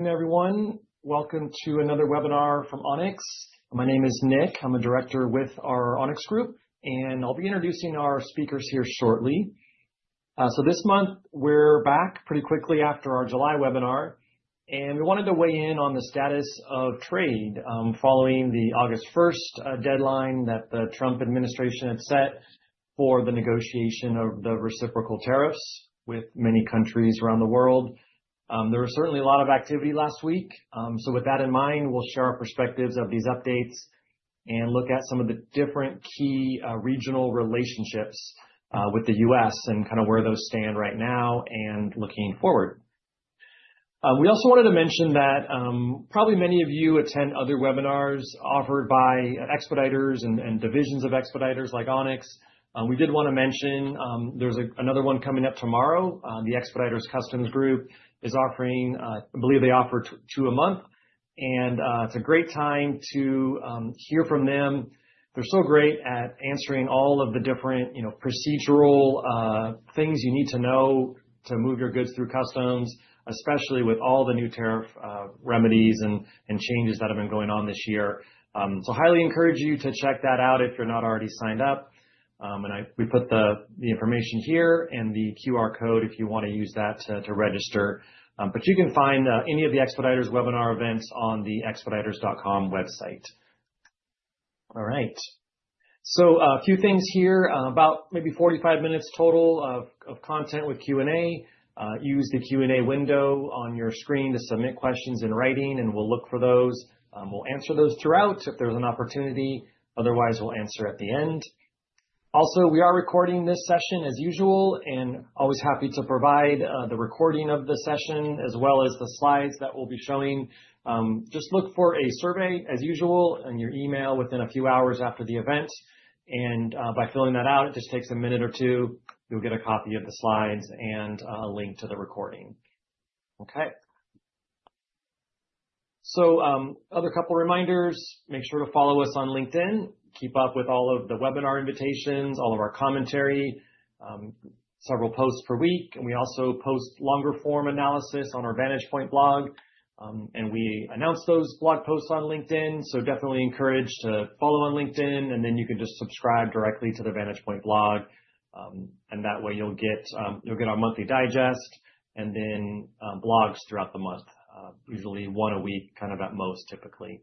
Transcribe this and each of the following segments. Everyone, welcome to another webinar from Onyx. My name is Nick. I'm a Director with our Onyx Group and I'll be introducing our speakers here shortly. This month we're back pretty quickly after our July webinar and we wanted to weigh in on the status of trade following the August 1st deadline that the Trump administration had set for the negotiation of the reciprocal tariffs with many countries around the world. There was certainly a lot of activity last week. With that in mind, we'll share our perspectives of these updates and look at some of the different key regional relationships with the U.S. and kind of where those stand right now. Looking forward, we also wanted to mention that probably many of you attend other webinars offered by Expeditors and divisions of Expeditors like Onyx. We did want to mention there's another one coming up tomorrow. The Expeditors Customs Group is offering, I believe they offer two a month and it's a great time to hear from them. They're so great at answering all of the different procedural things you need to know to move your goods through customs, especially with all the new tariff remedies and changes that have been going on this year. I highly encourage you to check that out if you're not already signed up. We put the information here and the QR code if you want to use that to register. You can find any of the Expeditors webinar events on the expeditors.com website. All right, a few things here. About maybe 45 minutes total of content with Q&A. Use the Q&A window on your screen to submit questions in writing and we'll look for those. We'll answer those throughout if there's an opportunity. Otherwise, we'll answer at the end. We are recording this session as usual and always happy to provide the recording of the session as well as the slides that we'll be showing. Just look for a survey as usual in your email within a few hours after the event. By filling that out, it just takes a minute or two, you'll get a copy of the slides and a link to the recording. A couple reminders, make sure to follow us on LinkedIn. Keep up with all of the webinar invitations, all of our commentary, several posts per week. We also post longer form analysis on our Vantage Point blog and we announce those blog posts on LinkedIn. Definitely encourage you to follow on LinkedIn and then you can just subscribe directly to the Vantage Point Blog. That way you'll get our monthly digest and then blogs throughout the month, usually one a week at most, typically.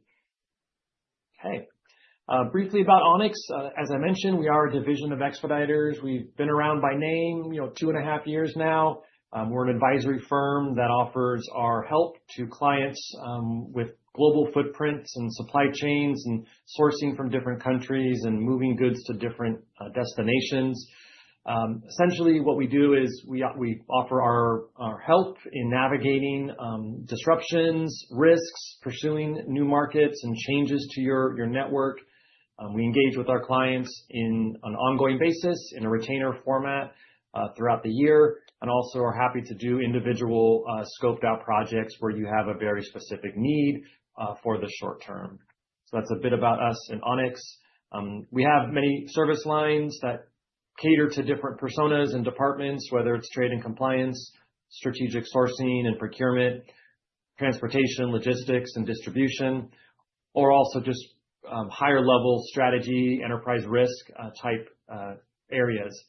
Briefly, about Onyx. As I mentioned, we are a division of Expeditors International of Washington. We've been around by name for two and a half years now. We're an advisory firm that offers our help to clients with global footprints and supply chains and services sourcing from different countries and moving goods to different destinations. Essentially, what we do is offer our help in navigating disruptions, risks, pursuing new markets, and changes to your network. We engage with our clients on an ongoing basis in a retainer format throughout the year and also are happy to do individual scoped out projects where you have a very specific need for the short term. That's a bit about us. In Onyx, we have many service lines that cater to different personas and departments, whether it's Trade and Compliance, Strategic Sourcing and Procurement, Transportation, Logistics and Distribution, or also just higher level strategy, enterprise risk type areas.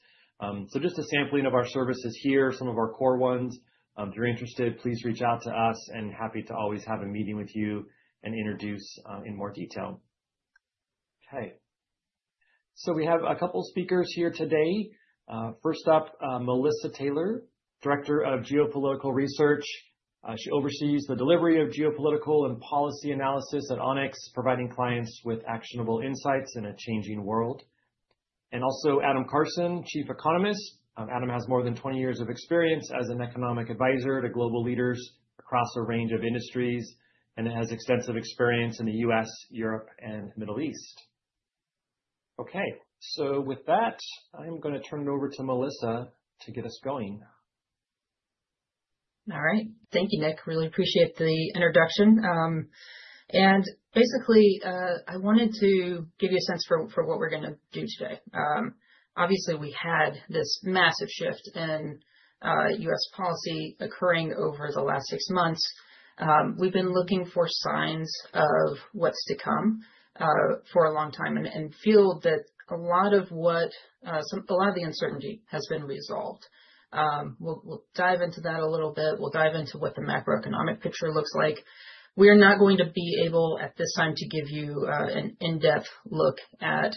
Just a sampling of our services here, some of our core ones. If you're interested, please reach out to us. Happy to always have a meeting with you and introduce in more detail. We have a couple speakers here today. First up, Melissa Taylor, Director of Geopolitical Research. She oversees the delivery of geopolitical and policy analysis at Onyx Group, providing clients with actionable insights in a changing world. Also Adam Karson, Chief Economist. Adam has more than 20 years of experience as an economic advisor to global leaders across a range of industries and has extensive experience in the U.S., Europe, and Middle East. With that, I'm going to turn it over to Melissa to get us going. All right, thank you, Nick. Really appreciate the introduction, and basically I wanted to give you a sense for what we're going to do today. Obviously, we had this massive shift in U.S. policy occurring over the last six months. We've been looking for signs of what's to come for a long time and feel that a lot of the uncertainty has been resolved. We'll dive into that a little bit. We'll dive into what the macroeconomic picture looks like. We are not going to be able at this time to give you an in-depth look at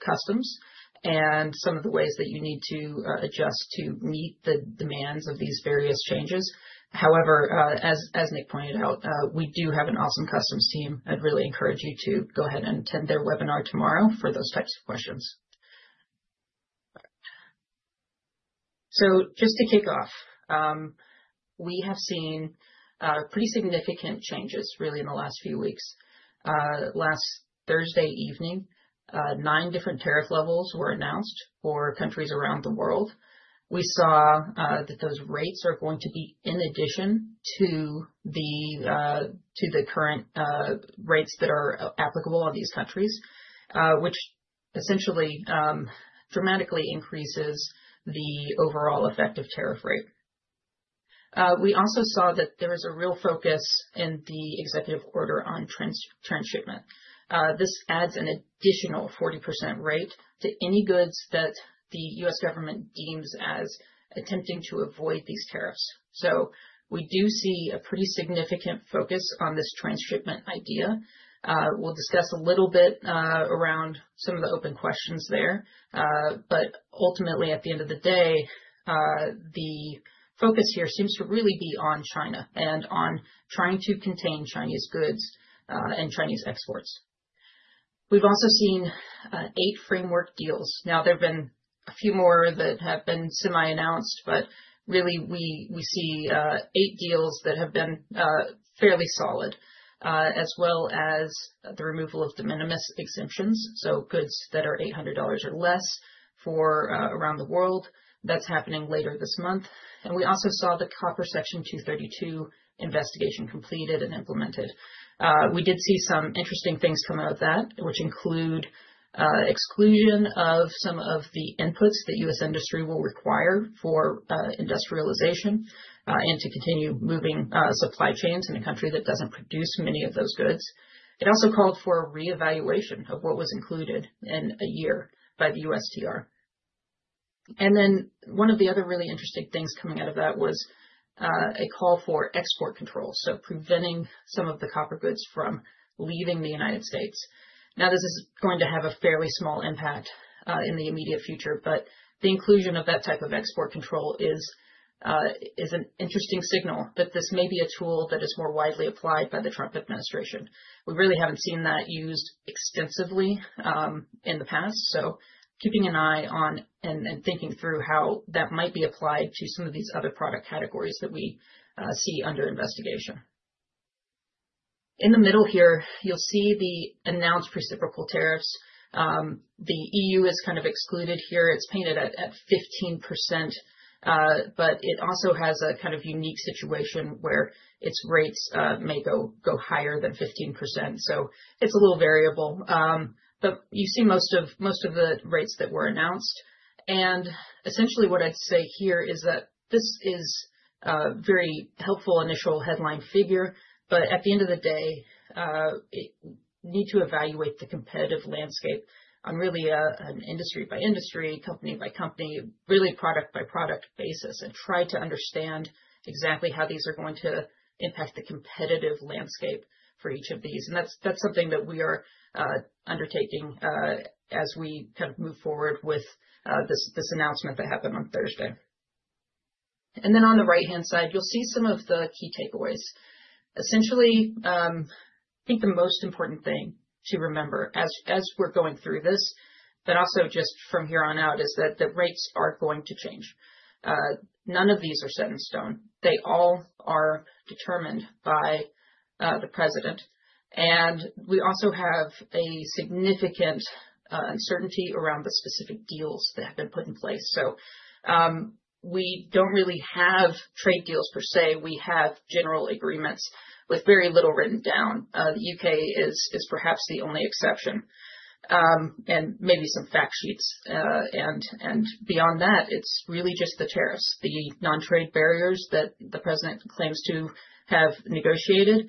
customs and some of the ways that you need to adjust to meet the demands of these various changes. However, as Nick pointed out, we do have an awesome customs team. I'd really encourage you to go ahead and attend their webinar tomorrow for those types of questions. Just to kick off, we have seen pretty significant changes really in the last few weeks. Last Thursday evening, nine different tariff levels were announced for countries around the world. We saw that those rates are going to be in addition to the current rates that are applicable on these countries, which essentially dramatically increases the overall effective tariff rate. We also saw that there is a real focus in the executive order on transshipment. This adds an additional 40% rate to any goods that the U.S. government deems as attempting to avoid these tariffs. We do see a pretty significant focus on this transshipment idea. We'll discuss a little bit around some of the open questions there. Ultimately, at the end of the day, the focus here seems to really be on China and on trying to contain Chinese goods and Chinese exports. We've also seen eight framework deals. There have been a few more that have been semi-announced, but really we see eight deals that have been fairly solid, as well as the removal of de minimis exemptions. Goods that are $800 or less for around the world—that's happening later this month. We also saw the Section 232 copper investigation completed and implemented. We did see some interesting things come out of that, which include exclusion of some of the inputs that U.S. industry will require for industrialization and to continue moving supply chains in a country that doesn't produce many of those goods. It also called for a reevaluation of what was included in a year by the USTR. One of the other really interesting things coming out of that was a call for export control. Preventing some of the copper goods from leaving the United States is going to have a fairly small impact in the immediate future. The inclusion of that type of export control is an interesting signal that this may be a tool that is more widely applied by the Trump administration. We really haven't seen that used extensively in the past. Keeping an eye on and thinking through how that might be applied to some of these other product categories that we see under investigation is important. In the middle here, you'll see the announced reciprocal tariffs. The EU is kind of excluded here; it's painted at 15%. It also has a kind of unique situation where its rates may go higher than 15%. It's a little variable, but you see most of the rates that were announced. Essentially, what I'd say here is that this is a very helpful initial headline figure. At the end of the day, you need to evaluate the competitive landscape on really an industry by industry, company by company, really product by product basis, and try to understand exactly how these are going to impact the competitive landscape for each of these. That's something that we are undertaking as we move forward with this announcement that happened on Thursday. On the right hand side, you'll see some of the key takeaways. Essentially, I think the most important thing to remember as we're going through this, but also just from here on out, is that the rates are going to change. None of these are set in stone. They all are determined by the President. We also have significant uncertainty around the specific deals that have been put in place. We don't really have trade deals per se. We have general agreements with very little written down. The U.K. is perhaps the only exception and committees of fact sheets. Beyond that, it's really just the tariffs. The non-trade barriers that the President claims to have negotiated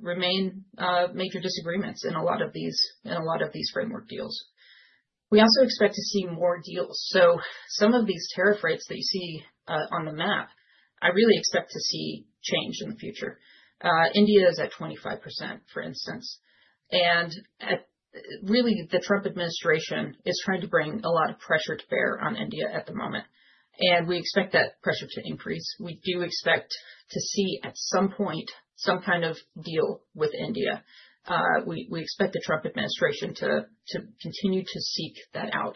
remain major disagreements in a lot of these framework deals. We also expect to see more deals. Some of these tariff rates that you see on the map, I really expect to see change in the future. India is at 25% for instance. The Trump administration is trying to bring a lot of pressure to bear on India at the moment and we expect that pressure to increase. We do expect to see at some point some kind of deal with India. We expect the Trump administration to continue to seek that out.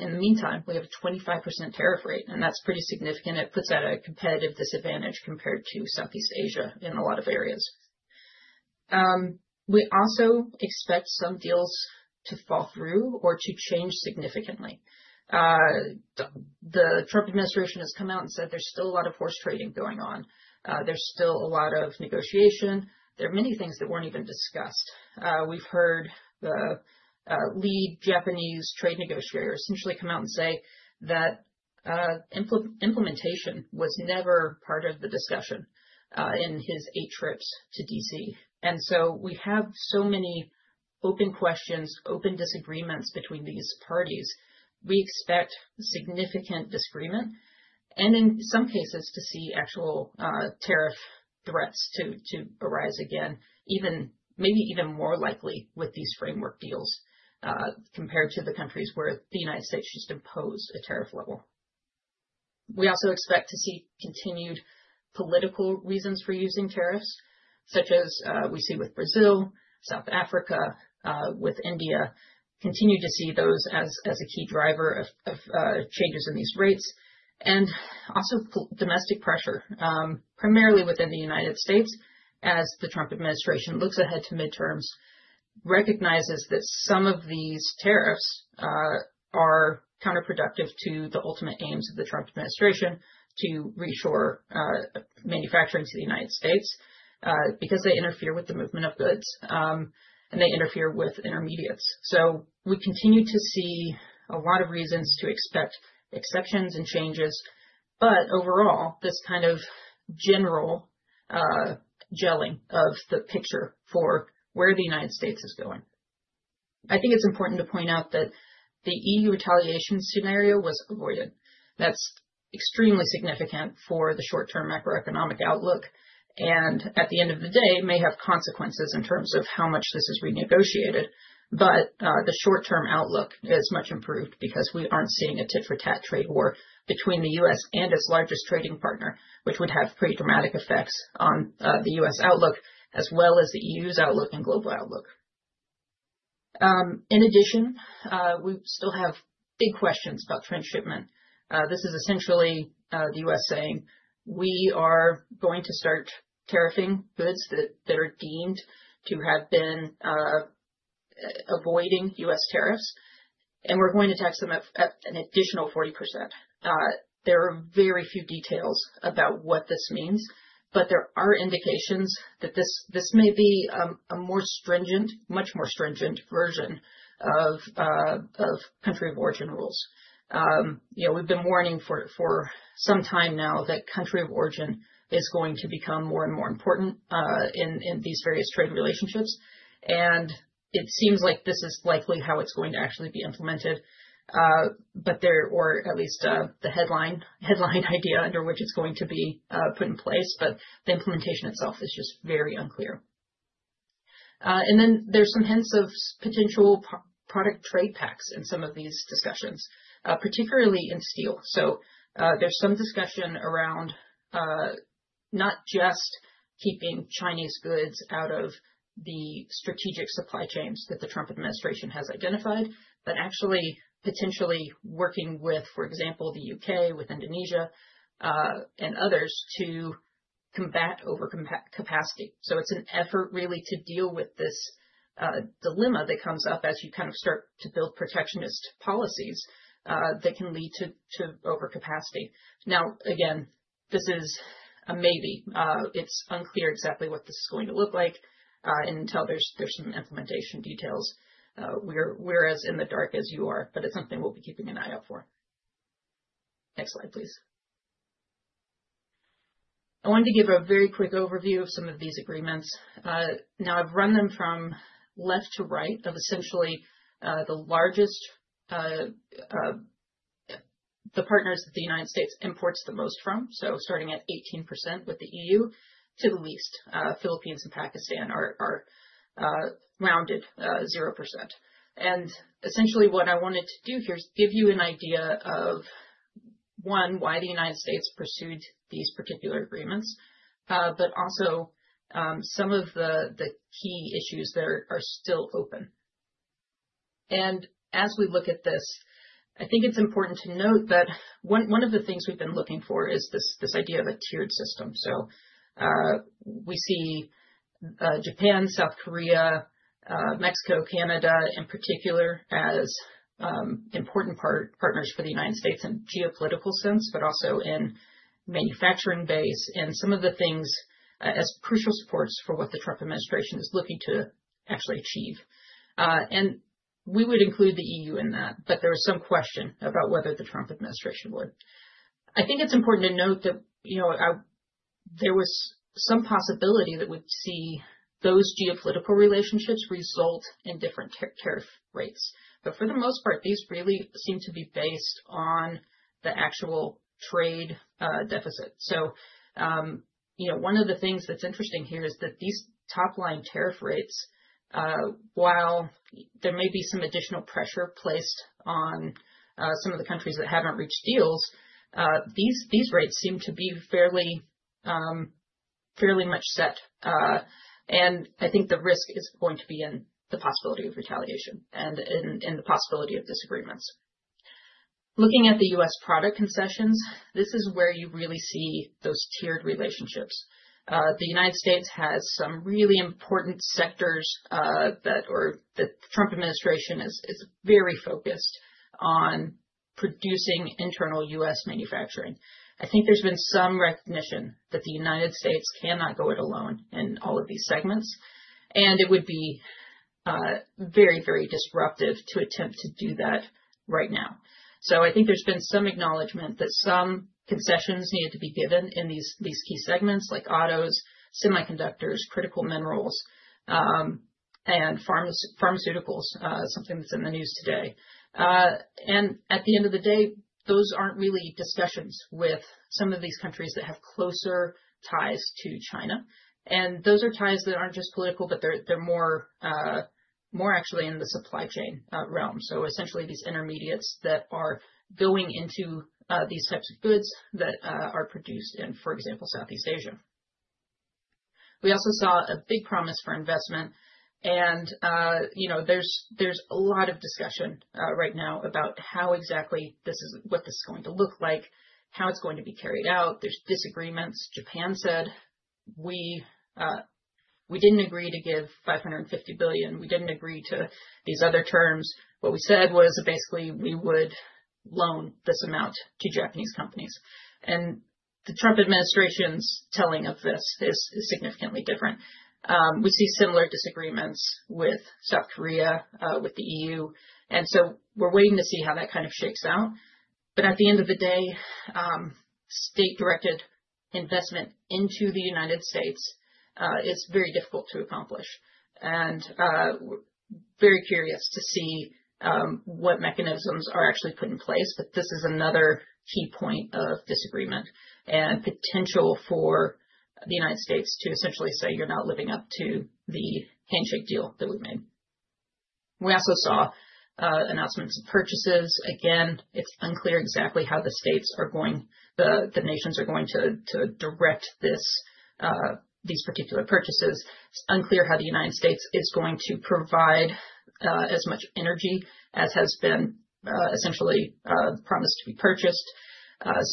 In the meantime, we have a 25% tariff rate and that's pretty significant. It puts that at a competitive disadvantage compared to Southeast Asia in a lot of areas. We also expect some deals to fall through or to change significantly. The Trump administration has come out and said there's still a lot of horse trading going on, there's still a lot of negotiation. There are many things that weren't even discussed. We've heard the lead Japanese trade negotiators essentially come out and say that implementation was never part of the discussion in his eight trips to D.C., and we have so many open questions, open disagreements between these parties. We expect significant disagreement and in some cases to see actual tariff threats to arise again, maybe even more likely with these framework deals compared to the countries where the United States just imposed a tariff level. We also expect to see continued political reasons for using tariffs, such as we see with Brazil, South Africa, and India, and continue to see those as a key driver of changes in these rates. Also, domestic pressure, primarily within the United States, as the Trump administration looks ahead to midterms, recognizes that some of these tariffs are counterproductive to the ultimate aims of the Trump administration to reassure manufacturing to the United States because they interfere with the movement of goods and they interfere with intermediates. We continue to see a lot of reasons to expect exceptions and changes. Overall, this kind of general gelling of the picture for where the United States is going to. I think it's important to point out that the EU retaliation scenario was avoided. That's extremely significant for the short-term macroeconomic outlook and at the end of the day may have consequences in terms of how much this is renegotiated. The short-term outlook is much improved because we aren't seeing a tit-for-tat trade war between the United States and its largest trading partner, which would have pretty dramatic effects on the United States outlook as well as the EU's outlook and global outlook. In addition, we still have big questions about transshipment. This is essentially the United States saying we are going to start tariffing goods that are deemed to have been avoiding United States tariffs and we're going to test them an additional 40%. There are very few details about what this means, but there are indications that this may be a much more stringent version of country of origin rules. We've been warning for some time now that country of origin is going to become more and more important in these various trade relationships. It seems like this is likely how it's going to actually be implemented, or at least the headline idea under which it's going to be put in place, but the implementation itself is just very unclear. There are some hints of potential product trade pacts in some of these discussions, particularly in steel. There is some discussion around not just keeping Chinese goods out of the strategic supply chains that the Trump administration has identified, but actually potentially working with, for example, the U.K., with Indonesia, and others to combat overcapacity. It is an effort really to deal with this dilemma that comes up as you start to build protectionist policies that can lead to overcapacity. This is a maybe; it's unclear exactly what this is going to look like until there are some implementation details. We're as in the dark as you are, but it's something we'll be keeping an eye out for. Next slide, please. I wanted to give a very quick overview of some of these agreements. I've run them from left to right of essentially the largest, the partners that the United States imports the most from. Starting at 18% with the euro to the least, Philippines and Pakistan are around 0%. Essentially, what I wanted to do here is give you an idea of, one, why the United States pursued these particular agreements, but also some of the key issues that are still open. As we look at this, I think it's important to note that one of the things we've been looking for is this idea of a tiered system. We see Japan, South Korea, Mexico, Canada in particular as important partners for the United States in a geopolitical sense, but also in manufacturing base and some of the things as crucial supports for what the Trump administration is looking to actually achieve. We would include the EU in that, but there is some question about whether the Trump administration would. I think it's important to note that there was some possibility that we'd see those geopolitical relationships result in different tariff rates. For the most part, these really seem to be based on the actual trade deficit. One of the things that's interesting here is that these top line tariff rates, while there may be some additional pressure placed on some of the countries that haven't reached deals, these rates seem to be fairly much set. I think the risk is going to be in the possibility of retaliation and the possibility of disagreements. Looking at the U.S. product concessions, this is where you really see those tiered relationships. The United States has some really important sectors. The Trump administration is very focused on producing internal U.S. manufacturing. I think there's been some recognition that the United States cannot go it alone in all of these segments and it would be very, very disruptive to attempt to do that right now. I think there's been some acknowledgement that some concessions needed to be given in these key segments like autos, semiconductors, critical minerals, and pharmaceuticals. Something that's in the news today. At the end of the day, those aren't really discussions with some of these countries that have closer ties to China. Those are ties that aren't just political, but they're more actually in the supply chain realm. Essentially, these intermediates that are going into these types of goods that are produced in, for example, Southeast Asia, we also saw a big promise for investment. There's a lot of discussion right now about how exactly this is, what this is going to look like, how it's going to be carried out. There's disagreements. Japan said we didn't agree to give $550 billion. We didn't agree to these other terms. What we said was basically we would loan this amount to Japanese companies. The Trump administration's telling of this is significantly different. We see similar disagreements with South Korea, with the EU, and we're waiting to see how that kind of shakes out. At the end of the day, state directed investment into the United States is very difficult to accomplish and very curious to see what mechanisms are actually put in place. This is another key point of disagreement and potential for the United States to essentially say, you're not living up to the handshake deal that we made. We also saw announcements of purchases. Again, it's unclear exactly how the states are going, the nations are going to direct these particular purchases. It's unclear how the United States is going to provide as much energy as has been essentially promised to be purchased.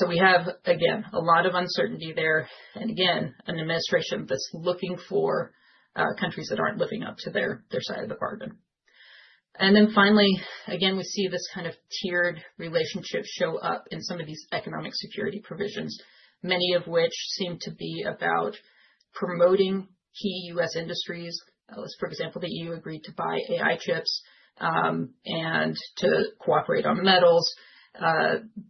We have, again, a lot of uncertainty there. Again, an administration that's looking for countries that aren't living up to their side of the bargain. Finally, we see this kind of tiered relationship show up in some of these economic security provisions, many of which seem to be about promoting key U.S. industries. For example, the EU agreed to buy AI chips and to cooperate on metals.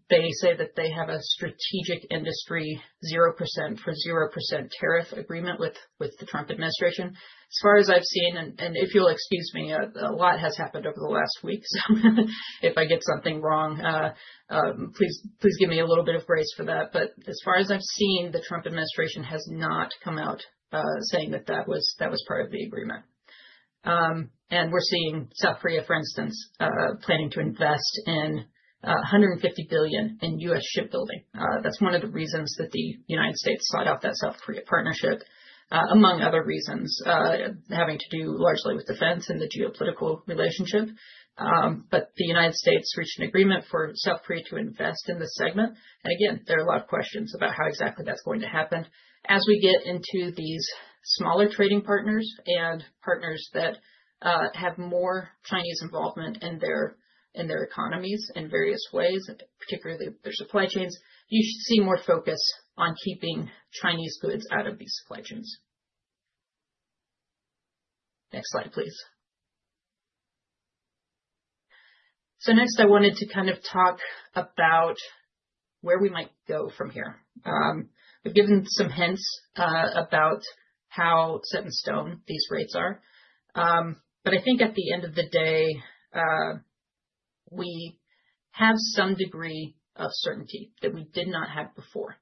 They say that they have a strategic industry 0% per, 0% tariff agreement with the Trump administration. As far as I've seen, and if you'll excuse me, a lot has happened over the last week. If I get something wrong, please give me a little bit of grace for that. As far as I've seen, the Trump administration has not come out saying that that was part of the agreement. We're seeing South Korea, for instance, planning to invest $150 billion in U.S. shipbuilding. That's one of the reasons that the United States sought out that South Korea partnership, among other reasons, having to do largely with defense and the geopolitical relationship. The United States reached an agreement for South Korea to invest in this segment. There are a lot of questions about how exactly that's going to happen as we get into these smaller trading partners and partners that have more Chinese involvement in their economies in various ways, particularly their supply chains. You see more focus on keeping Chinese goods out of these supply chains. Next slide, please. Next, I wanted to kind of talk about where we might go from here. I've given some hints about how set in stone these rates are, but I think at the end of the day, we have some degree of certainty that we did not have before.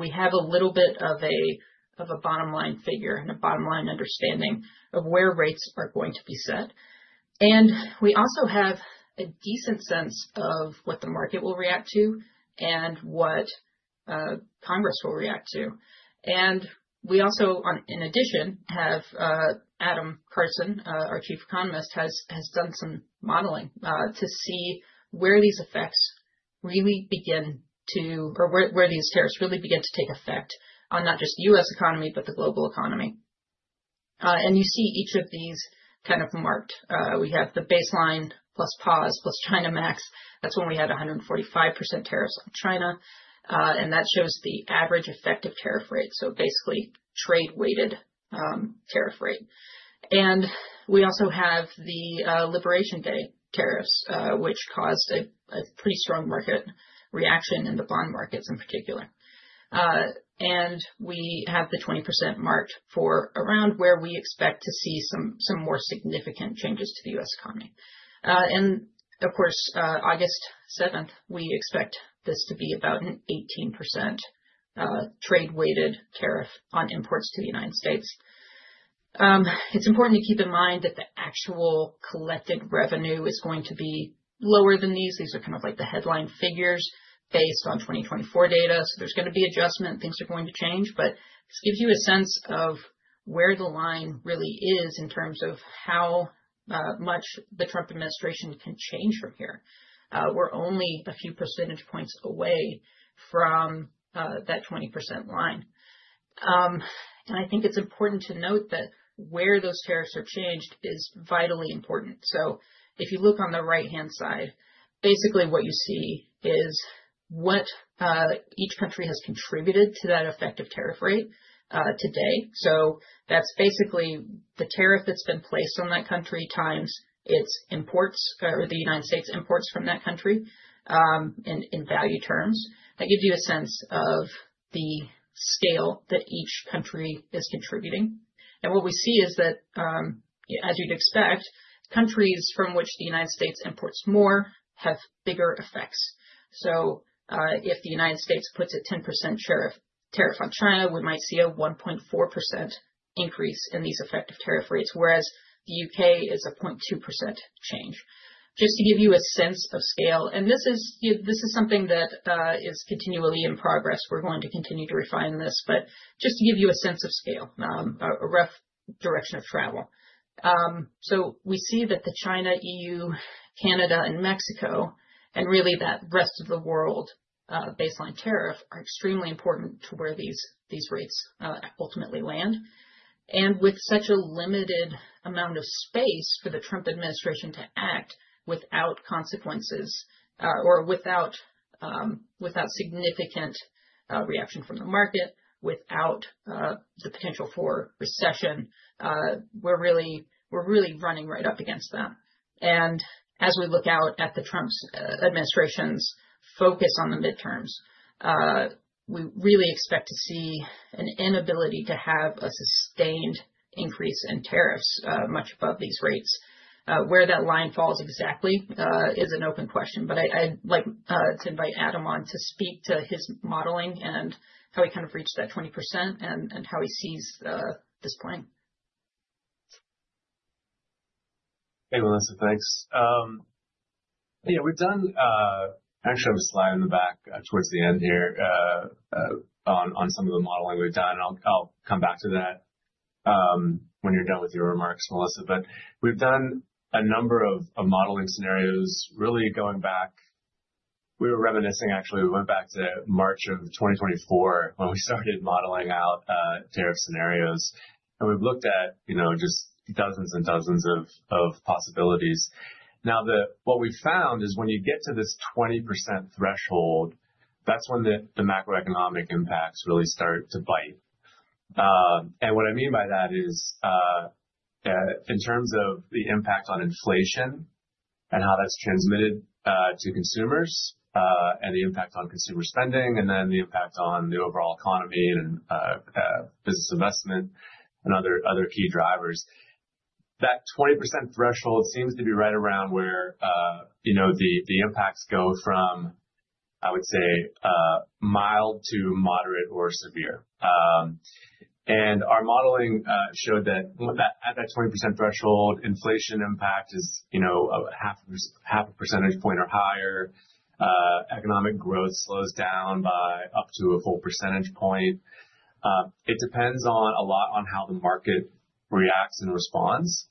We have a little bit of a bottom line figure and a bottom line understanding of where rates are going to be set. We also have a decent sense of what the market will react to and what Congress will react to. In addition, Adam Karson, our Chief Economist, has done some modeling to see where these effects really begin to, or where these tariffs really begin to take effect on not just the U.S. economy, but the global economy. You see each of these kind of marked. We have the Baseline + Pause+ China max. That's when we had 145% tariffs on China. That shows the average effective tariff rate. Basically, trade-weighted effective tariff rate. We also have the Liberation Day tariffs, which caused a pretty strong market reaction in the bond markets in particular. We have the 20% mark for around where we expect to see some more significant changes to the U.S. economy. Of course, August 7th, we expect this to be about an 18% trade-weighted tariff on imports to the United States. It's important to keep in mind that the actual collected revenue is going to be lower than these. These are kind of like the headline figures based on 2024 data. There is going to be adjustment, things are going to change, but it gives you a sense of where the line really is in terms of how much the Trump administration can change from here. We're only a few percentage points away from that 20% line. I think it's important to note that where those tariffs have changed is vitally important. If you look on the right-hand side, basically what you see is what each country has contributed to that effective tariff rate today. That's basically the tariff that's been placed on that country times its imports, or the United States imports from that country. In value terms, that gives you a sense of the scale that each country is contributing. What we see is that, as you'd expect, countries from which the United States imports more have bigger effects. If the United States puts a 10% share of tariff on China, we might see a 1.4% increase in these effective tariff rates, whereas the U.K. is a 0.2% change. Just to give you a sense of scale, and this is something that is continually in progress. We're going to continue to refine this, but just to give you a sense of scale, a rough direction of travel. We see that China, the EU, Canada, and Mexico, and really that rest of the world baseline tariff, are extremely important to where these rates ultimately land. With such a limited amount of space for the Trump administration to act without consequences or without significant reaction from the market, without the potential for recession, we're really running right up against that. As we look out at the Trump administration's focus on the midterms, we really expect to see an inability to have a sustained increase in tariffs much above these rates. Where that line falls exactly is an open question. I'd like to invite Adam on to speak to his modeling and how he kind of reached that 20% and how he sees this point. Hey, Melissa, thanks. Yeah, we've done, actually, I have a slide in the back towards the end here on some of the modeling we've done. I'll come back to that when you're done with your remarks, Melissa, but we've done a number of modeling scenarios. Really going back, we were reminiscing, actually we went back to March of 2024 when we started modeling out tariff scenarios. We've looked at just dozens and dozens of possibilities. What we found is when you get to this 20% threshold, that's when the macroeconomic impacts really start to bite. What I mean by that is in terms of the impact on inflation and how that's transmitted to consumers and the impact on consumer spending and then the impact on the overall economy and business investment and other key drivers, that 20% threshold seems to be right around where the impacts go from, I would say, mild to moderate or severe. Our modeling showed that at that 20% threshold, inflation impact is, you know, half, half a percentage point or higher. Economic growth slows down by up to a full percentage point. It depends a lot on how the market reacts and responds.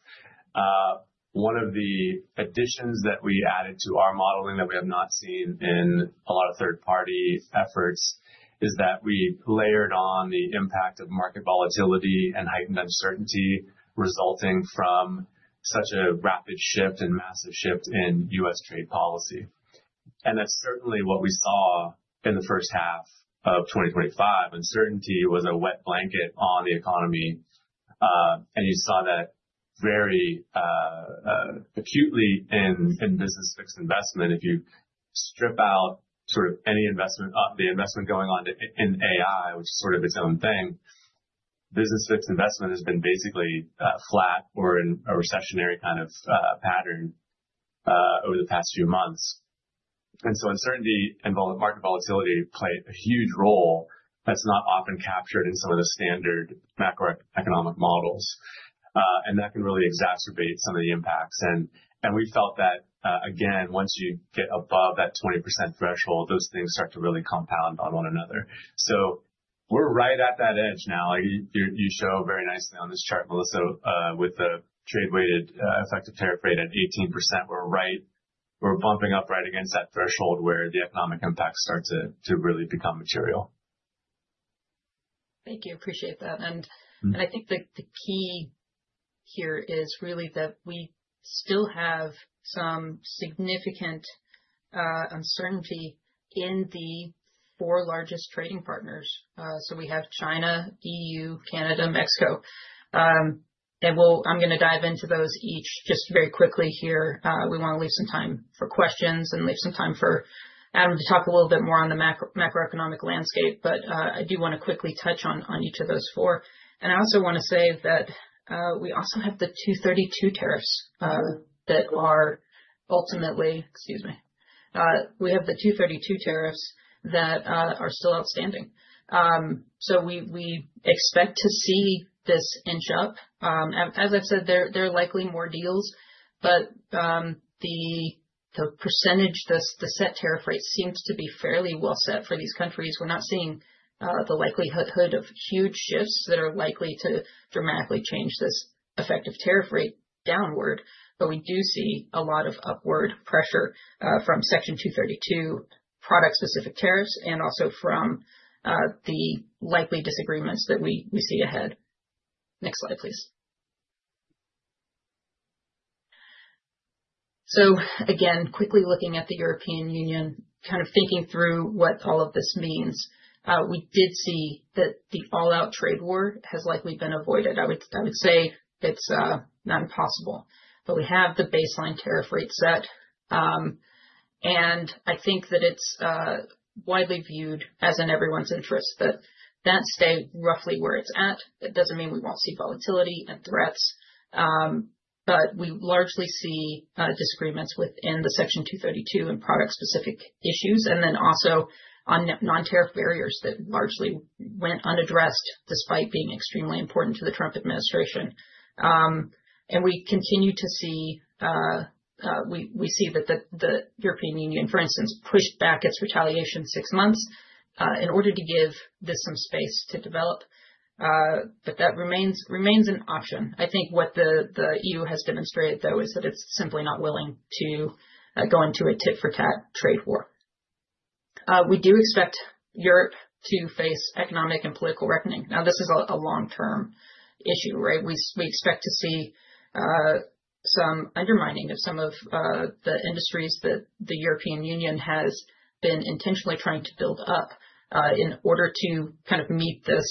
One of the additions that we added to our modeling that we have not seen in a lot of third party efforts is that we layered on the impact of market volatility and heightened uncertainty resulting from such a rapid shift and massive shift in U.S. trade policy. That's certainly what we saw in the first half of 2025. Uncertainty was a wet blanket on the economy. You saw that very acutely in business fixed investment. If you strip out for any investment, the investment going on in AI, which is sort of its own thing, business fixed investment has been basically flat or in a recessionary kind of pattern over the past few months. Uncertainty and market volatility play a huge role that's not often captured in some of the standard macroeconomic models. That can really exacerbate some of the impacts. We felt that again, once you get above that 20% threshold, those things start to really compound on one another. We're right at that edge now. You show very nicely on this chart, Melissa, with the trade-weighted effective tariff rate at 18%, we're bumping up right against that threshold where the economic impacts start to really become material. Thank you. Appreciate that. I think the key here is really that we still have some significant uncertainty in the four largest trading partners. We have China, the EU, Canada, and Mexico. I'm going to dive into those each just very quickly here. We want to leave some time for questions and leave some time for Adam to talk a little bit more on the macroeconomic landscape. I do want to quickly touch on each of those four. I also want to say that we also have the Section 232 tariffs that are still outstanding. We expect to see this inch up. As I've said, there are likely more deals, but the percentage, the set tariff rate seems to be fairly well set for these countries. We're not seeing the likelihood of huge shifts that are likely to dramatically change this effective tariff rate downward, but we do see a lot of upward pressure from Section 232 product specific tariffs and also from the likely disagreements that we see ahead. Next slide please. Again, quickly looking at the EU, kind of thinking through what all of this means, we did see that the all out trade war has likely been avoided. I would say it's not impossible, but we have the baseline tariff rate set and I think that it's widely viewed as in everyone's interest that that stay roughly where it's at. It doesn't mean we won't see volatility and threats, but we largely see disagreements within the Section 232 and product specific issues and then also on non tariff barriers that largely went unaddressed despite being extremely important to the Trump administration. We continue to see that the European Union, for instance, pushed back its retaliation six months in order to give this some space to develop. That remains an option. I think what the EU has demonstrated though is that it's simply not willing to go into a tit for tat trade war. We do expect Europe to face economic and political reckoning. This is a long term issue. We expect to see some undermining of some of the industries that the Eropean Union has been intentionally trying to build up in order to kind of meet this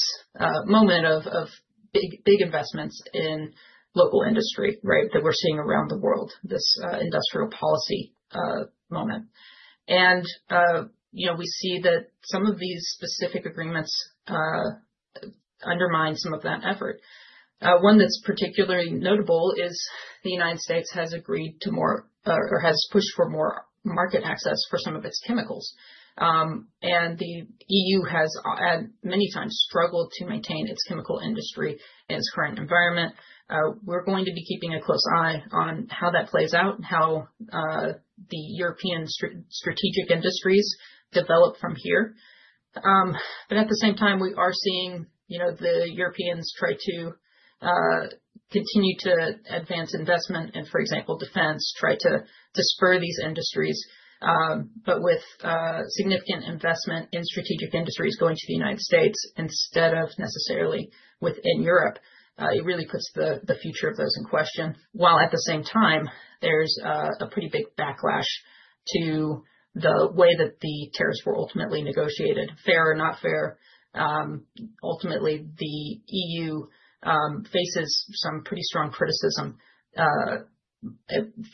moment of big investments in local industry. Right. That we're seeing around the world, this industrial policy moment. We see that some of these specific agreements undermine some of that effort. One that's particularly notable is the United States has agreed to more or has pushed for more market access for some of its chemicals. The EU has many times struggled to maintain its chemical industry in its current environment. We're going to be keeping a close eye on how that plays out, how the European strategic industries develop from here. At the same time, we are seeing the Europeans try to continue to advance investment and, for example, defense try to destroy these industries. With significant investment in strategic industries going to the United States instead of necessarily within Europe, it really puts the future of those in question. At the same time, there's a pretty big backlash to the way that the tariffs were ultimately negotiated. Fair or not fair, the EU faces some pretty strong criticism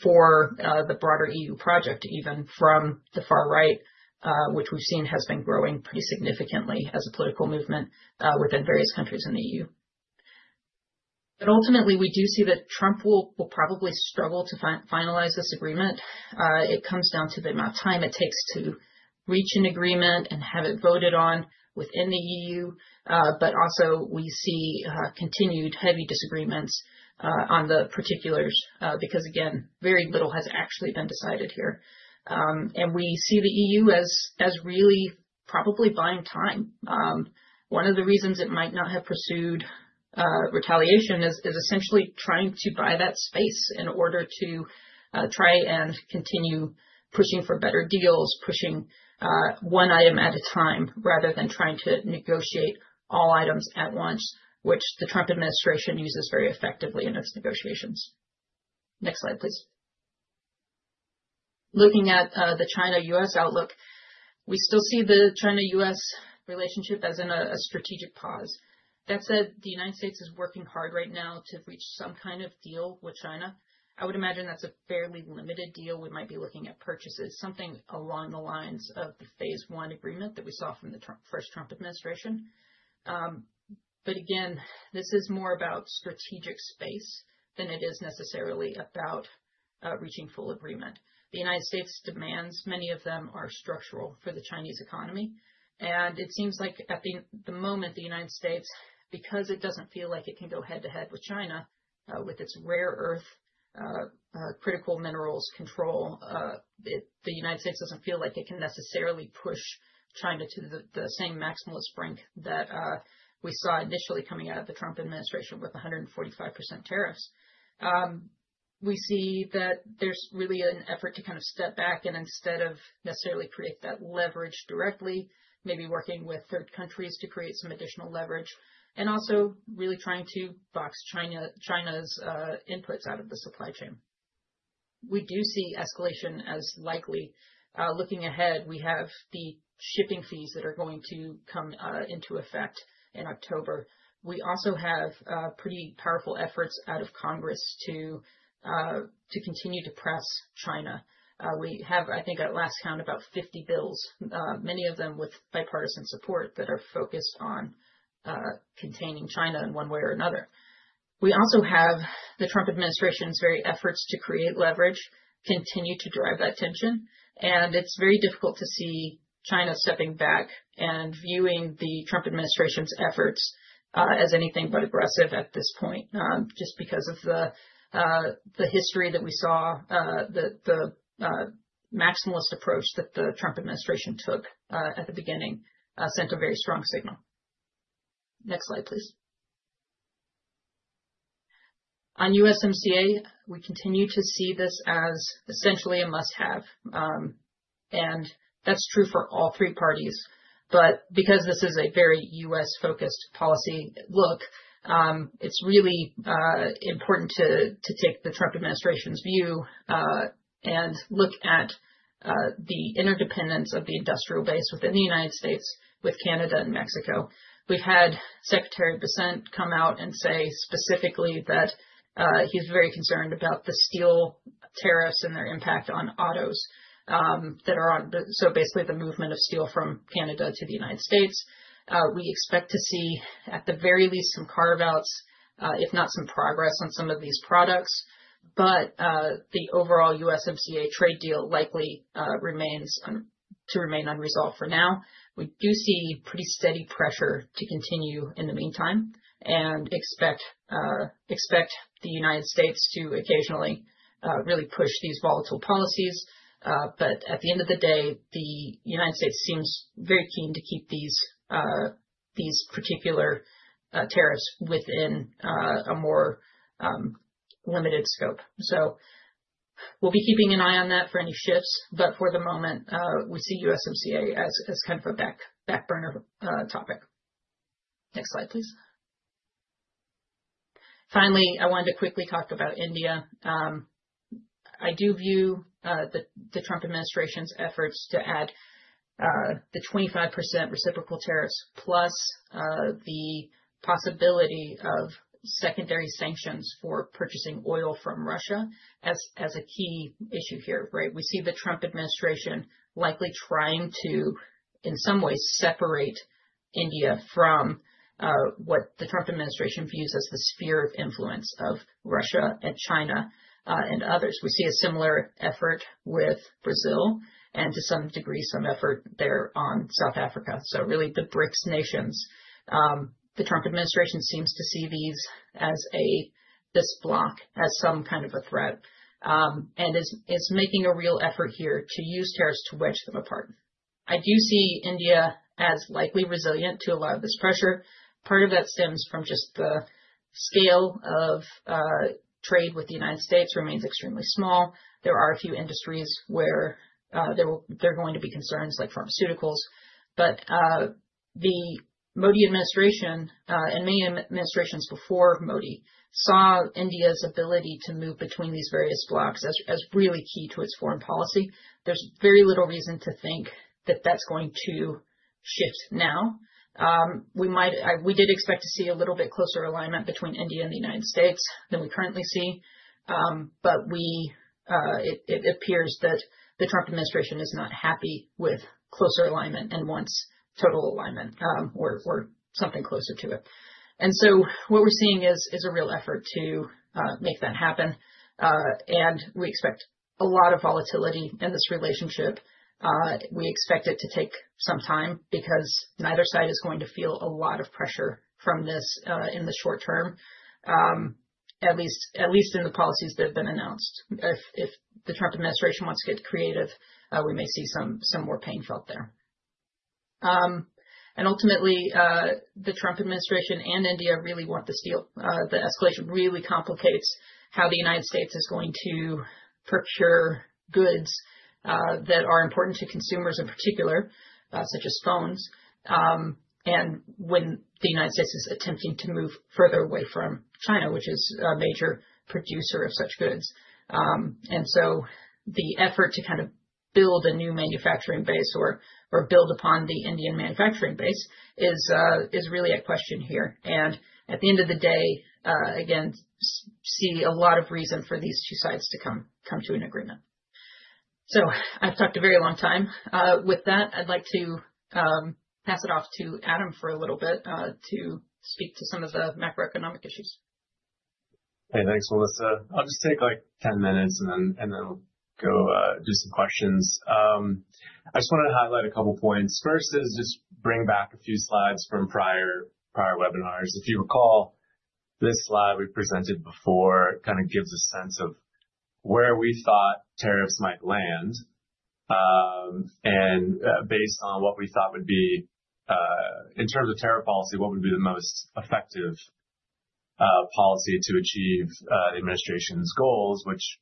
for the broader EU project, even from the far right, which we've seen has been growing pretty significantly as a political movement within various countries in the EU. Ultimately, we do see that Trump will probably struggle to finalize this agreement. It comes down to the amount of time it takes to reach an agreement and have it voted on within the EU. We see continued heavy disagreements on the particulars because, again, very little has actually been decided here. We see the EU as really probably buying time. One of the reasons it might not have pursued retaliation is essentially trying to buy that space in order to try and continue pushing for better deals, pushing one item at a time, rather than trying to negotiate all items at once, which the Trump administration uses very effectively in its negotiations. Next slide, please. Looking at the China-U.S. outlook, we still see the China-U.S. relationship as in a strategic pause. That said, the United States is working hard right now to reach some kind of deal with China. I would imagine that's a fairly limited deal. We might be looking at purchases, something along the lines of the phase one agreement that we saw from the first Trump administration. This is more about strategic space than it is necessarily about reaching full agreement. The United States demands, many of them are structural for the Chinese economy. It seems like at the moment the United States, because it doesn't feel like it can go head to head with China with its rare earth critical minerals control, doesn't feel like it can necessarily push China to the same maximalist brink that we saw initially coming out of the Trump administration with 145% tariffs. We see that there's really an effort to step back and instead of necessarily create that leverage directly, maybe working with third countries to create some additional leverage and also really trying to box China's inputs out of the supply chain. We do see escalation as likely. Looking ahead, we have the shipping fees that are going to come into effect in October. We also have pretty powerful efforts out of Congress to continue to press China. I think at last count, about 50 bills, many of them with bipartisan support, are focused on containing China in one way or another. We also have the Trump administration's efforts to create leverage continue to drive that tension. It's very difficult to see China stepping back and viewing the Trump administration's efforts as anything but aggressive at this point, just because of the history that we saw. The maximalist approach that the Trump administration took at the beginning sent a very strong signal. Next slide please. On USMCA, we continue to see this as essentially a must have and that's true for all three parties. Because this is a very U.S.-focused policy, it's really important to take the Trump administration's view and look at the interdependence of the industrial base within the United States with Canada and Mexico. We've had Secretary of Dissent come out and say specifically that he's very concerned about the steel tariffs and their impact on autos, so basically the movement of steel from Canada to the United States. We expect to see at the very least some carve outs, if not some progress on some of these products. The overall USMCA trade deal likely remains unresolved for now. We do see pretty steady pressure to continue in the meantime and expect the United States to occasionally really push these volatile policies. At the end of the day, the United States seems very keen to keep these particular tariffs within a more limited scope. We'll be keeping an eye on that for any shifts. For the moment, we see USMCA as kind of a back burner topic. Next slide please. Finally, I wanted to quickly talk about India. I do view the Trump administration's efforts to add the 25% reciprocal tariffs plus the possibility of secondary sanctions for purchasing oil from Russia as a key issue here. Right. We see the Trump administration likely trying to in some ways separate India from what the Trump administration views as the sphere of influence of Russia and China and others. We see a similar effort with Brazil and to some degree some effort there on South Africa. Really the BRICS nations, the Trump administration seems to see these as this flock as some kind of a threat and is making a real effort here to use tariffs to wedge them apart. I do see India as likely resilient to a lot of this pressure. Part of that stems from just the scale of trade with the United States remains extremely small. There are a few industries where there are going to be concerns like pharmaceuticals. The Modi administration and many administrations before Modi saw India's ability to move between these various blocks as really key to its foreign policy. There's very little reason to think that that's going to shift now. We did expect to see a little bit closer alignment between India and the United States than we currently see, but it appears that the Trump administration is not happy with closer alignment and wants total alignment or something closer to it. What we're seeing is a real effort to make that happen. We expect a lot of volatility in this relationship. We expect it to take some time because neither side is going to feel a lot of pressure from this in the short term, at least in the policies that have been announced. If the Trump administration wants to get creative, we may see some more pain felt there. Ultimately, the Trump administration and India really want the steel. The escalation really complicates how the United States is going to procure goods that are important to consumers in particular, such as phones. When the United States is attempting to move further away from China, which is a major producer of such goods, the effort to kind of build a new manufacturing base or build upon the Indian manufacturing base is really at question here. At the end of the day, again, see a lot of reason for these two sides to come to an agreement. I've talked a very long time. With that, I'd like to pass it off to Adam for a little bit to speak to some of the macroeconomic issues. Hey, thanks, Melissa. I'll just take like 10 minutes and then go do some questions. I just wanted to highlight a couple points. First is just bring back a few slides from prior webinars. If you recall, this slide we presented before kind of gives a sense of where we thought tariffs might land. Based on what we thought would be in terms of tariff policy, what would be the most effective policy to achieve the administration's goals, which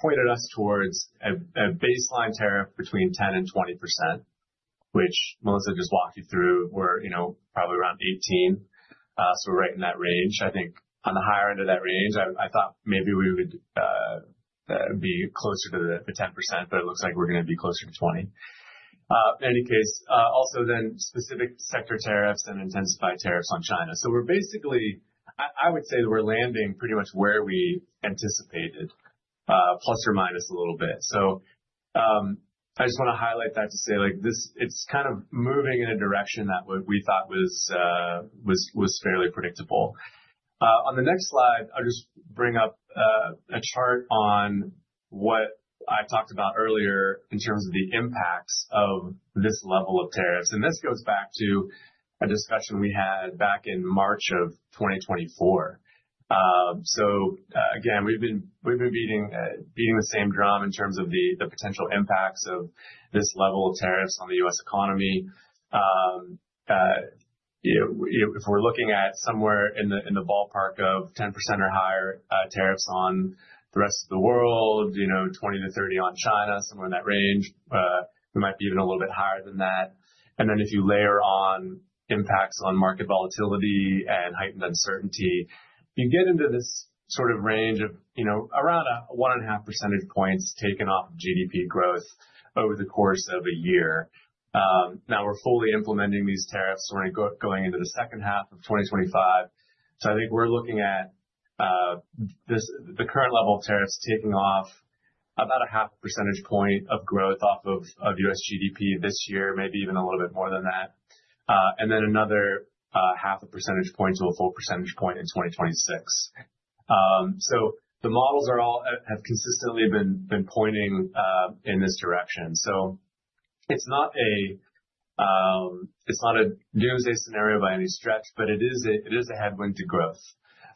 pointed us towards a baseline tariff between 10% and 20%, which Melissa just walked you through. We're probably around 18%, so we're right in that range. I think on the higher end of that range, I thought maybe we would be closer to the 10%, but it looks like we're going to be closer to 20% in any case. Also, then specific sector tariffs and intensified tariffs on China. We're basically, I would say that we're landing pretty much where we anticipated, plus or minus a little bit. I just want to highlight that to say like this, it's kind of moving in a direction that we thought was fairly predictable. On the next slide, I'll just bring up a chart on what I talked about earlier in terms of the impacts of this level of tariffs. This goes back to a discussion we had back in March of 2024. We've been beating the same drum in terms of the potential impacts of this level of tariffs on the U.S. economy. If we're looking at somewhere in the ballpark of 10% or higher tariffs on the rest of the world, 20% to 30% on China, somewhere in that range, it might be even a little bit higher than that. If you layer on impacts on market volatility and heightened uncertainty, you get into this sort of range of around 1.5 percentage points taken off GDP growth over the course of a year. Now we're fully implementing these tariffs. We're going into the second half of 2025. I think we're looking at the current level of tariffs taking off about a half percentage point of growth off of U.S. GDP this year, maybe even a little bit more than that, and then another half a percentage point to a full percentage point in 2026. The models have consistently been pointing in this direction. It's not a doomsday scenario by any stretch, but it is a headwind to growth.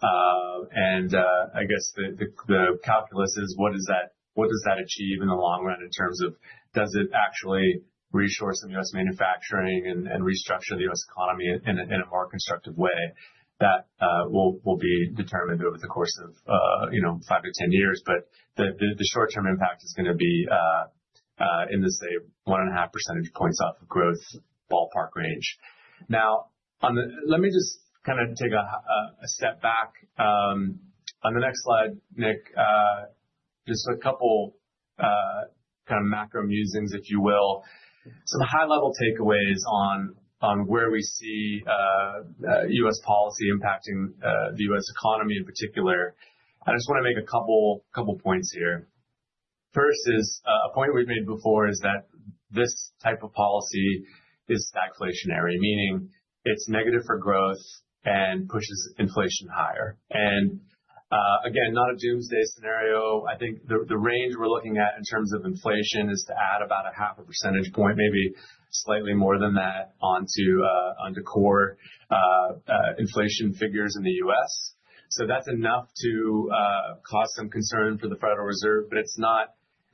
I guess the calculus is what does that achieve in the long run in terms of does it actually reshore some U.S. manufacturing and restructure the U.S. economy in a more constructive way? That will be determined over the course of five to 10 years. The short term impact is going to be in this 1.5 percentage points off of gross ballpark range. Now let me just kind of take a step back on the next slide. Nick, just a couple kind of macro musings if you will, some high level takeaways on where we see U.S. policy impacting the U.S. economy in particular. I just want to make a couple points here. First is a point we've made before is that this type of policy is stagflationary, meaning it's negative for growth and pushes inflation higher and again, not a doomsday scenario. I think the range we're looking at in terms of inflation is to add about a half a percentage point, maybe slightly more than that onto on decorations inflation figures in the U.S. That's enough to cause some concern for the Federal Reserve.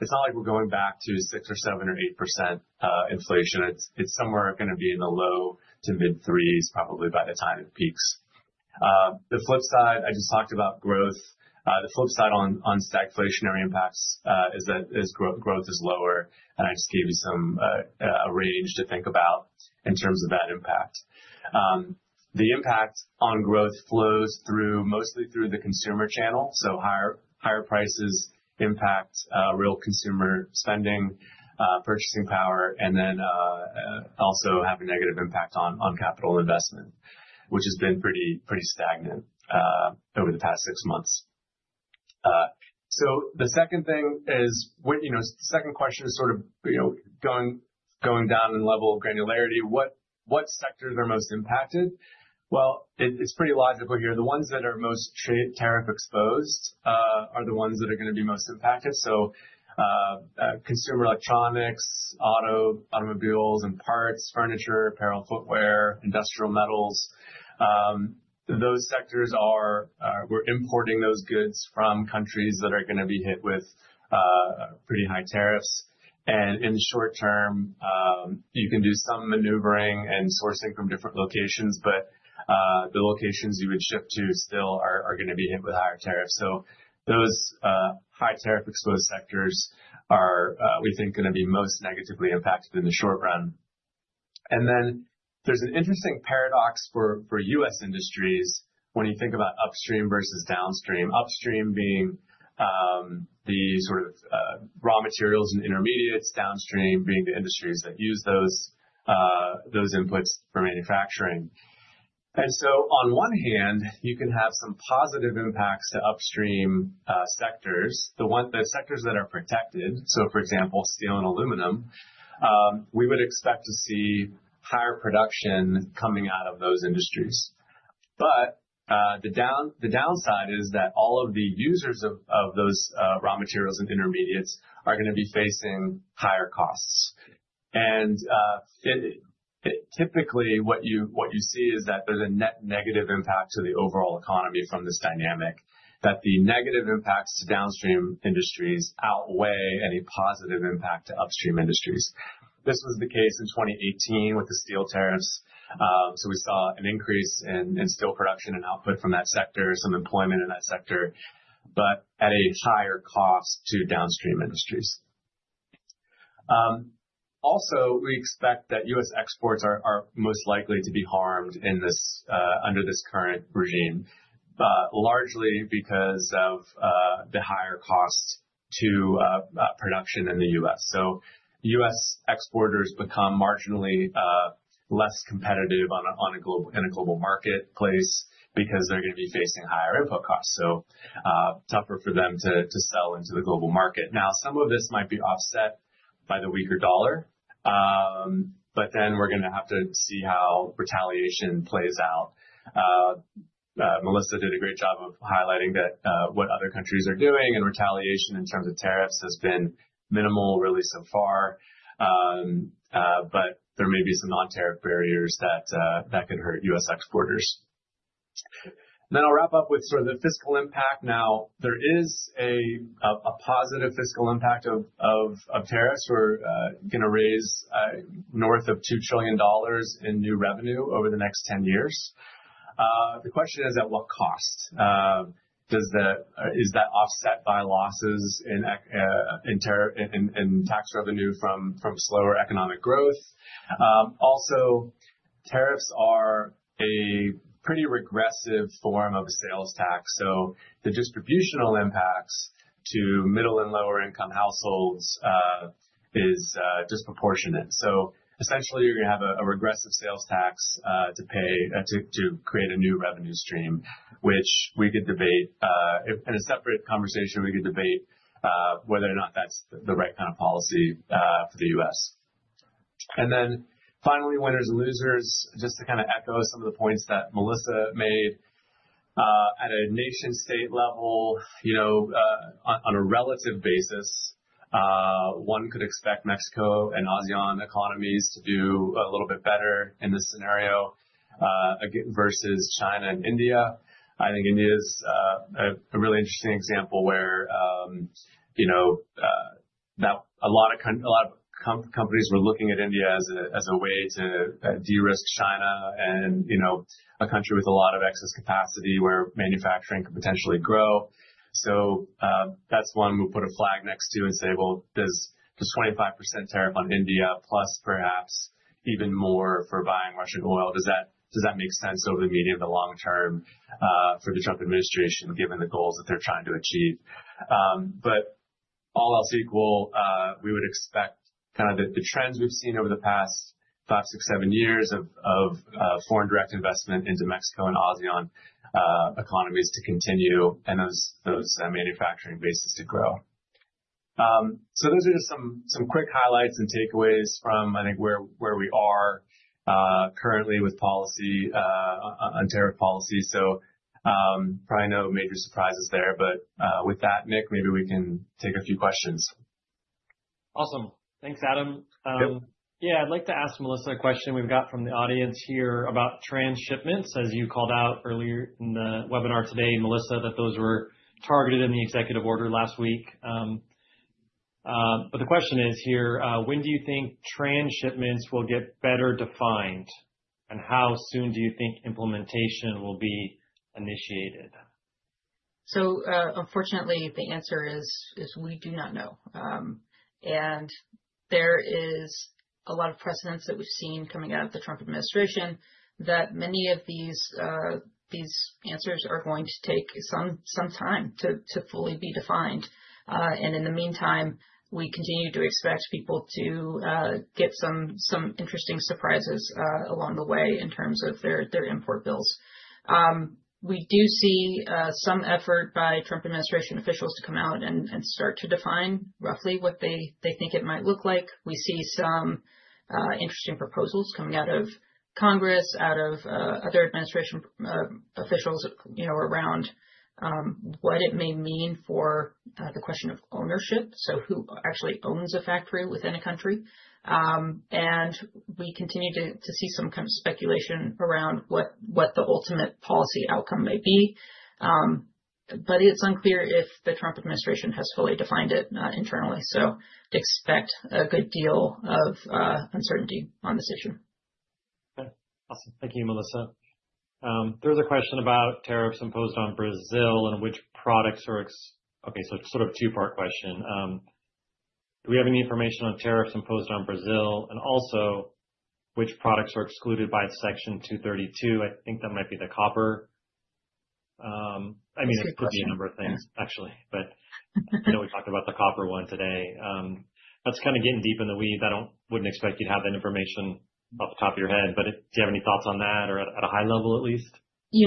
It's not like we're going back to 6% or 7% or 8% inflation, it's somewhere going to be in the low to mid threes, probably by the time it peaks. The flip side, I just talked about growth. The flip side on stagflationary impacts is that growth is lower. I just gave you some range to think about in terms of that impact. The impact on growth flows through, mostly through the consumer channel. Higher prices impact real consumer spending, purchasing power, and then also have a negative impact on capital investment, which has been pretty stagnant over the past six months. The second thing is, second question is sort of, you know, going down in level of granularity. What sectors are most impacted? It's pretty logical here. The ones that are most tariff exposed are the ones that are going to be most impacted. Consumer electronics, auto, automobiles and parts, furniture, apparel, footwear, industrial metals, those sectors are, we're importing those goods from countries that are going to be hit with pretty high tariffs. In the short term you can do some maneuvering and sourcing from different locations, but the locations you would ship to still are going to be hit with higher tariffs. Those high tariff exposed sectors are, we think, going to be most negatively impacted in the short run. There's an interesting paradox for U.S. industries when you think about upstream versus downstream. Upstream being the sort of raw materials and intermediates, downstream being the industries that use those inputs for manufacturing. On one hand, you can have some positive impacts to upstream sectors, the sectors that are protected. For example, steel and aluminum, we would expect to see higher production coming out of those industries. The downside is that all of the users of those raw materials and intermediates are going to be facing higher costs. Typically, what you see is that there's a net negative impact to the overall economy from this dynamic, that the negative impacts to downstream industries outweigh any positive impact to upstream industries. This was the case in 2018 with the steel tariffs. We saw an increase in steel production and output from that sector, some employment in that sector, but at a higher cost to downstream industries. We expect that U.S. exporters are most likely to be harmed under this current regime largely because of the higher cost to production in the U.S. U.S. exporters become marginally less competitive in a global marketplace because they're going to be facing higher input costs, making it tougher for them to sell into the global market. Some of this might be offset by the weaker dollar, but we are going to have to see how retaliation plays out. Melissa did a great job of highlighting what other countries are doing. Retaliation in terms of tariffs has been minimal really so far. There may be some non-tariff barriers that could hurt U.S. exporters. I'll wrap up with the fiscal impact. There is a positive fiscal impact of tariffs. We're going to raise north of $2 trillion in new revenue over the next 10 years. The question is at what cost is that offset by losses in tax revenue from slower economic growth? Tariffs are a pretty regressive form of a sales tax. The distributional impacts to middle and lower income households is disproportionate. Essentially, you're going to have a regressive sales tax to pay to create a new revenue stream, which we could debate in a separate conversation. We could debate whether or not that's the right kind of policy for the U.S. Finally, winners and losers, just to echo some of the points that Melissa made at a nation-state level, on a relative basis, one could expect Mexico and onion economies to do a little bit better in this scenario again versus China and India. I think India is a really interesting example where a lot of companies were looking at India as a way to de-risk China and a country with a lot of excess capacity where manufacturing could potentially grow. That's one we'll put a flag next to and say, does 25% tariff on India plus perhaps even more for buying Russian oil make sense over the medium to long term for the Trump administration given the goals that they're trying to achieve? All else equal, we would expect the trend we've seen over the past five, six, seven years of foreign direct investment into Mexico and ASEAN economies to continue and those manufacturing bases to grow. Those are just some quick highlights and takeaways from where we are currently with policy on tariff policy. Probably no major surprises there. With that, Nick, maybe we can take a few questions. Awesome. Thanks, Adam. Yeah, I'd like to ask Melissa a question we've got from the audience here about transshipment. As you called out earlier in the webinar today, Melissa, those were targeted in the executive order last week. The question is, when do you think transshipment will get better defined, and how soon do you think implementation will be initiated? Unfortunately, the answer is we do not know. There is a lot of precedence that we've seen coming out of the Trump administration that many of these answers are going to take some time to fully be defined. In the meantime, we continue to expect people to get some interesting surprises along the way in terms of their import bills. We do see some effort by Trump administration officials to come out and start to define roughly what they think it might look like. We see some interesting proposals coming out of Congress, out of other administration officials, around what it may mean for the question of ownership, so who actually owns a factory within a country. We continue to see some kind of speculation around what the ultimate policy outcome may be. It's unclear if the Trump administration has fully defined it internally. Expect a good deal of uncertainty on this issue. Okay, awesome. Thank you, Melissa. Through the question about tariffs imposed on Brazil and which products are. Okay, sort of two part question. Do we have any information on tariffs imposed on Brazil, and also which products are excluded by Section 232? I think that might be the copper. It could be a number. We talked about the Section 232 copper investigation today. That's kind of getting deep in the weeds. I wouldn't expect you to have that information off the top of your head. Do you have any thoughts? On that at a high level. At least,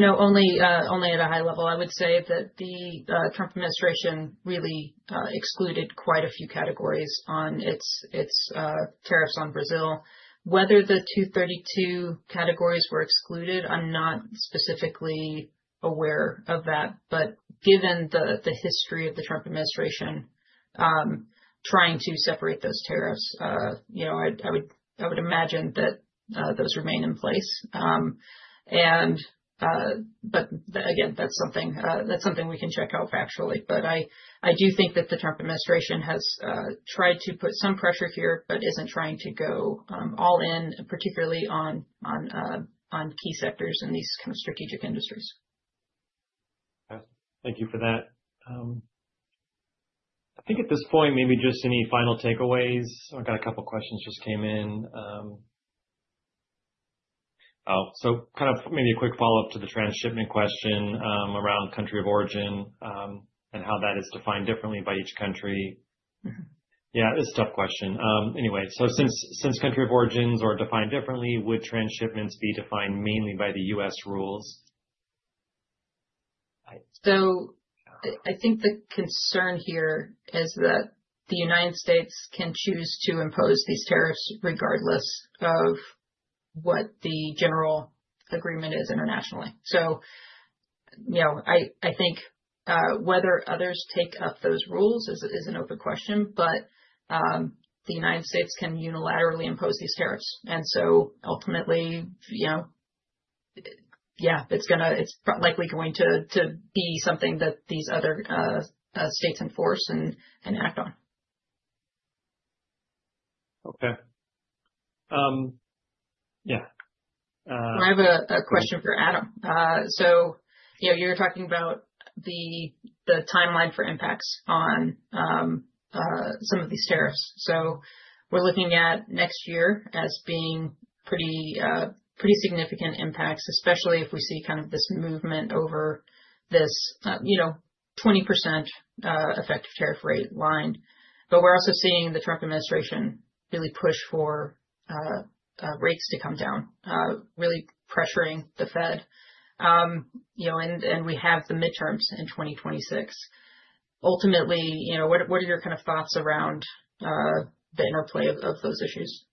only at a high level, I would say that the Trump administration really excluded quite a few categories on its tariffs on Brazil. Whether the Section 232 categories were excluded, I'm not specifically aware of that, but given the history of the Trump administration trying to separate those tariffs, I would imagine that those remain in place. That's something we can check out factually. I do think that the Trump administration has tried to put some pressure here, but isn't trying to go all in, particularly on key sectors in these kind of strategic industries. Thank you for that. I think at this point, maybe just any final takeaways. I got a couple questions just came in. Kind of maybe a quick follow up to the transshipment question around country of origin and how that is defined differently by each country. Yeah, it's a tough question. Anyway, since country of origins are defined differently, would transshipments be defined mainly by the U.S. rules? I think the concern here is that the United States can choose to impose these tariffs regardless of what the general agreement is internationally. I think whether others take up those rules is an open question. The United States can unilaterally impose these tariffs. Ultimately, it's likely going to be something that these other states enforce and act on. Okay. I have a question for Adam. You know, you're talking about the timeline for impacts on some of these tariffs. We're looking at next year as being pretty significant impacts, especially if we see kind of this movement over this 20% effective tariff rate line. We're also seeing the Trump administration really push for rates to come down, really pressuring the Fed, and we have the midterms in 2026. Ultimately, what are your kind of thoughts around the interplay of those issues?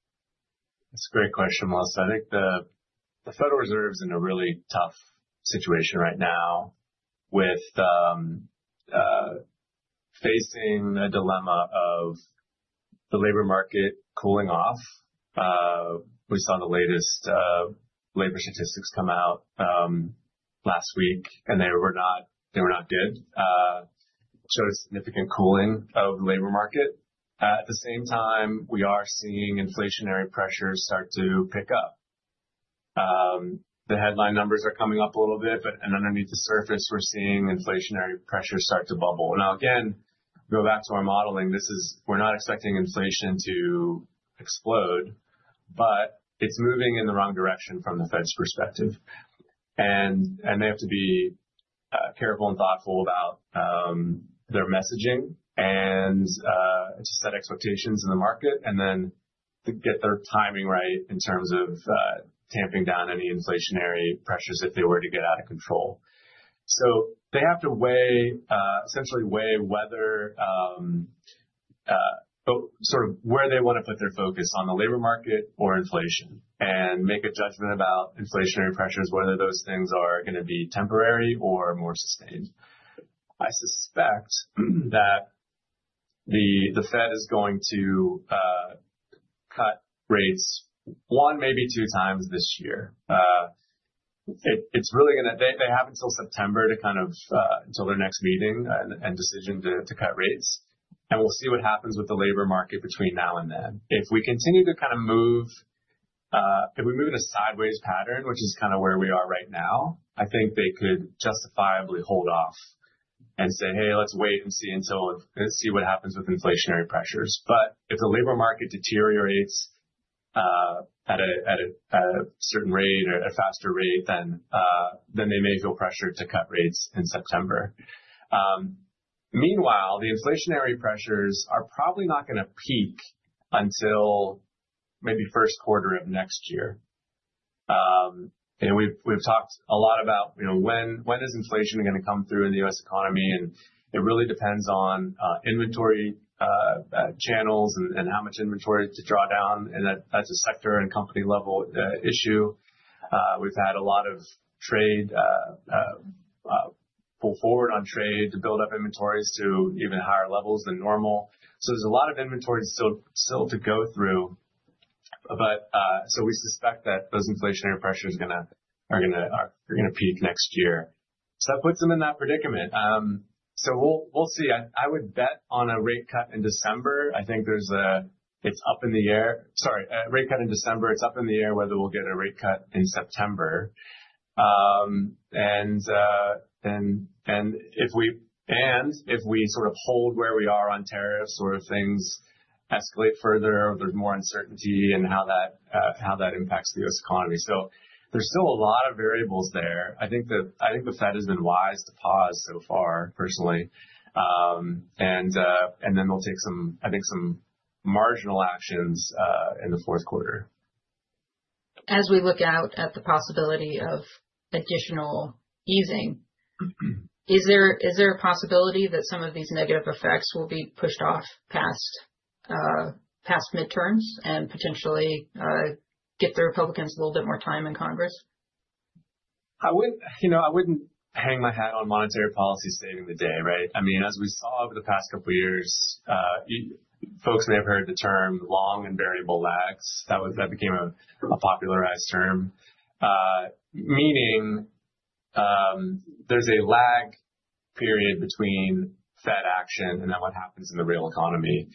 That's a great question, Melissa. I think the Federal Reserve's in a really tough situation right now with facing a dilemma of the labor market cooling off. We saw the latest labor statistics come out last week and they were not, they were not good. Showed a significant cooling of the labor market. At the same time, we are seeing inflationary pressures start to pick up. The headline numbers are coming up a little bit, but underneath the surface, we're seeing inflationary pressures start to bubble. Now, again, go back to our modeling. This is, we're not expecting inflation to explode, but it's moving in the wrong direction from the Fed's perspective. They have to be careful and thoughtful about their messaging and to set expectations in the market and then to get their timing right in terms of tamping down any inflationary pressures if they were to get out of control. They have to essentially weigh whether sort of where they want to put their focus on the labor market or inflation and make a judgment about inflationary pressures, whether those things are going to be temporary or more sustained. I suspect that the Fed is going to cut rates one, maybe two times this year. It's really going to, they have until September to kind of until their next meeting and decision to cut rates. We'll see what happens with the labor market between now and then. If we continue to kind of move, if we move in a sideways pattern, which is kind of where we are right now, I think they could justifiably hold off and say, hey, let's wait and see until, see what happens with inflationary pressures. If the labor market deteriorates at a certain rate or a faster rate, then they may feel pressure to cut rates in September. Meanwhile, the inflationary pressures are probably not going to peak until maybe first quarter of next year. We've talked a lot about, you know, when, when is inflation going to come through in the U.S. economy and it really depends on inventory channels and how much inventory to draw down. That, that's a sector and company level issue. We've had a lot of trade pull forward on trade to build up inventories to even higher levels than normal. There's a lot of inventories still, still to go through. We suspect that those inflationary pressures are going to, are going to peak next year. That puts them in that predicament. We'll see. I would bet on a rate cut in December. I think there's a. It's up in the air, rate cut in December. It's up in the air whether we'll get a rate cut in September. If we sort of hold where we are on tariffs or if things escalate further, there's more uncertainty and how that impacts the U.S. economy. There's still a lot of variables there. I think the Fed has been wise to pause so far, personally, and then we'll take some, I think some marginal actions in the fourth quarter as we. Look out at the possibility of additional easing. Is there a possibility that some of these negative effects will be pushed off past midterms and potentially get the Republicans a little bit more time in Congress? I wouldn't hang my hat on monetary policy saving the day. Right. I mean, as we saw over the past couple years, folks may have heard the term long and variable lags, that became a popularized term, meaning there's a lag period between Fed action and then what happens in the real economy.